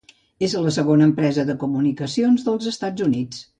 És la segona empresa de comunicacions dels Estats Units.